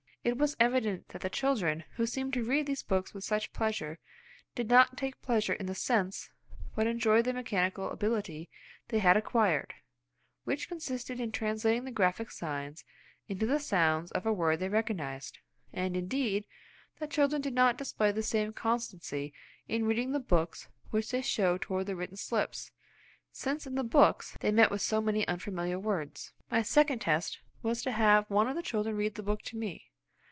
It was evident that the children, who seemed to read these books with such pleasure, did not take pleasure in the sense, but enjoyed the mechanical ability they had acquired, which consisted in translating the graphic signs into the sounds of a word they recognised. And, indeed, the children did not display the same constancy in the reading of books which they showed toward the written slips, since in the books they met with so many unfamiliar words. My second test, was to have one of the children read the book to me.